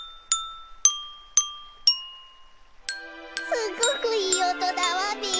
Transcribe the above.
すごくいいおとだわべ！